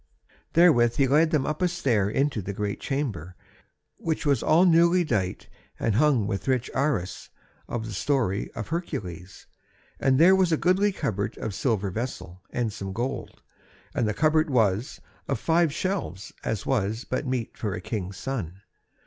Therewith he led them up a stair into the great chamber, which was all newly dight and hung with rich arras of the Story of Hercules; and there was a goodly cupboard of silver vessel, and some gold, and the cupboard was of five shelves as was but meet for a king's son.